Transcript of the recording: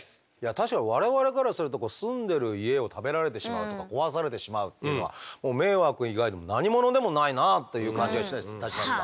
確かに我々からすると住んでいる家を食べられてしまうとか壊されてしまうっていうのはもう迷惑以外の何物でもないなという感じがいたしますが。